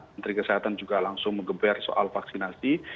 menteri kesehatan juga langsung mengeber soal vaksinasi